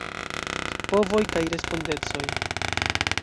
Povoj kaj respondecoj.